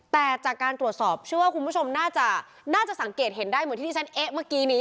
แต่จากการตรวจสอบเชื่อว่าคุณผู้ชมน่าจะน่าจะสังเกตเห็นได้เหมือนที่ที่ฉันเอ๊ะเมื่อกี้นี้